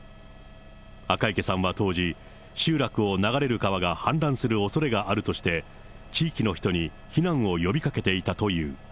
赤池さんは当時、集落を流れる川が氾濫するおそれがあるとして、地域の人に避難を呼びかけていたという。